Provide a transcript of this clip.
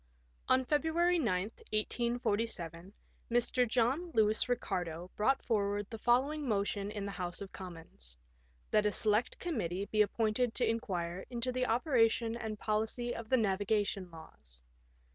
On February 9, 1847, Mr. John Lewis Eicardo brought forward the following motion in the House of Com mons :—That a Select Committee be appointed to in quire into the operation and policy of the Navigation Laws."